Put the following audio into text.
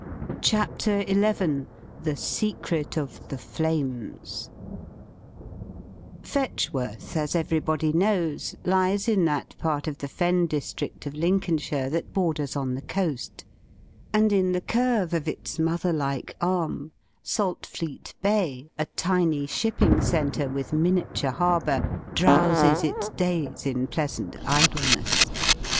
CHAPTER XI THE SECRET OF THE FLAMES Fetchworth, as everybody knows, lies in that part of the Fen district of Lincolnshire that borders on the coast, and in the curve of its motherlike arm Saltfleet Bay, a tiny shipping centre with miniature harbour, drowses its days in pleasant idleness.